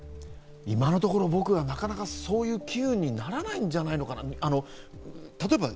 今のところ僕はなかなかそういう機運にならないんじゃないかと考えています。